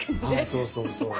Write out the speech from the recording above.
そうそうそう。